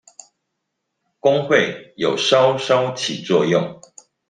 工會有稍稍起作用